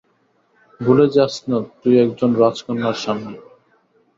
ভুলে যাস না তুই একজন রাজকন্যার সামনে।